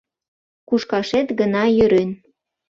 Кушкашет гына йӧрен.